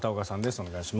お願いします。